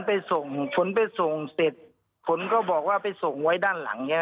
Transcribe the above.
ไปส่งผลไปส่งเสร็จผลก็บอกว่าไปส่งไว้ด้านหลังเนี้ย